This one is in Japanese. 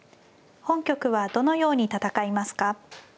本局はどのように戦いますか。